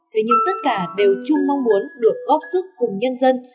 thế nhưng tất cả đều chung mong muốn được góp sức cùng nhân dân